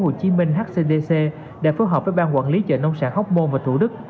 trước đó trung tâm kiểm soát bệnh tật tp hcm đã phối hợp với bang quản lý chợ nông sản hóc môn và thủ đức